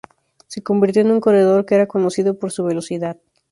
Se convirtió en un corredor que era conocido por su velocidad.